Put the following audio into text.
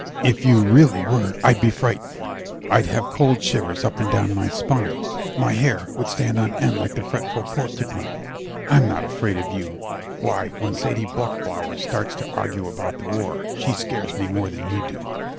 If you really were I'd be frightened. I'd have cold shivers up and down my spine. My hair would stand on end like the fretful porcupine. I'm not afraid of you. Why, when Sadie Bluchblauer starts to argue about the war she scares me more than you do.